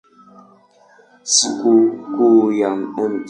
Sikukuu ya Mt.